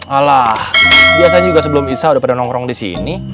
ala biasanya juga sebelum issah udah pada nongkrong disini